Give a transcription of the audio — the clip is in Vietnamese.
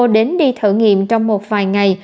đến đi thử nghiệm trong một vài ngày